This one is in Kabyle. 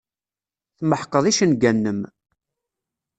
Tmeḥqeḍ icenga-nnem.